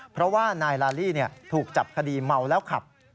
เพราะว่านายลาลี่ถูกจับคดีเมาแล้วขับ